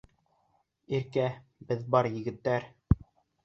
Иркә, беҙ бар егеттәр...